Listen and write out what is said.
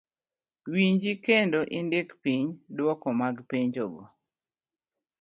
winji kendo indik piny duoko mag penjogo.